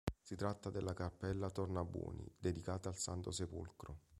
Si tratta della cappella Tornabuoni, dedicata al Santo Sepolcro.